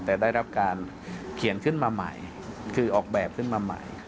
แต่ได้รับการเขียนขึ้นมาใหม่คือออกแบบขึ้นมาใหม่